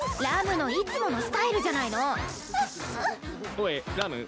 おいラム。